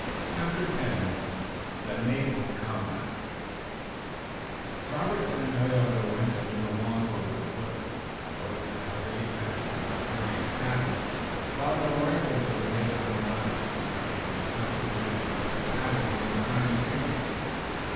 CHAPTER X THE NAVAL COMBAT Robert and Tayoga went into a long boat with Willet, a boat that held eight men, all carrying paddles, while their rifles were laid on the bottom, ready to be substituted for the paddles when the time came.